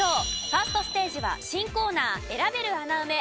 ファーストステージは新コーナー選べる穴埋め！